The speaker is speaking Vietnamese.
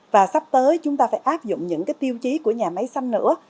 và sắp tới chúng ta phải áp dụng những cái tiêu chí của nhà máy xanh nữa